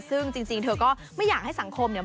ซึ่งจริงเธอก็ไม่อยากให้สังคมเนี่ย